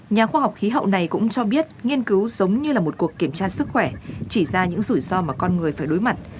nhà khoa học khí hậu này cũng cho biết nghiên cứu giống như là một cuộc kiểm tra sức khỏe chỉ ra những rủi ro mà con người phải đối mặt